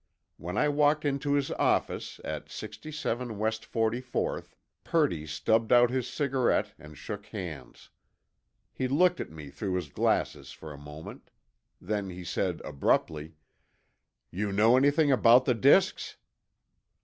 When I walked into his office at 67 West 44th, Purdy stubbed out his cigarette and shook hands. He looked at me through his glasses for a moment. Then he said abruptly: "You know anything about the disks?"